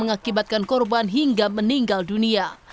mengakibatkan korban hingga meninggal dunia